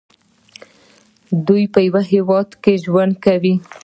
دوی په یو هیواد کې ژوند کوي.